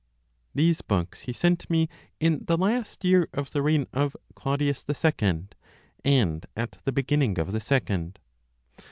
These books he sent me in the last year of the reign of Claudius II, and at the beginning of the second.